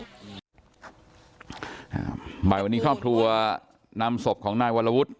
ท่าเบ่งวันนี้คอบทัวร์นำสมของน้ายวะละวุฒิ